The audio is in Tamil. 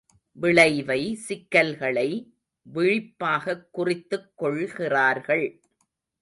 விளைவை, சிக்கல்களை, விழிப்பாகக் குறித்துக் கொள்கிறார்கள்.